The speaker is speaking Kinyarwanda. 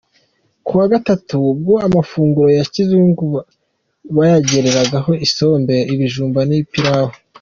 Ku wa Gatatu bwo amafunguro ya kizungu bayagerekaho isombe, ibijumba n’ipilau;.